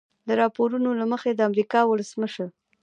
د راپورونو له مخې د امریکا ولسمشر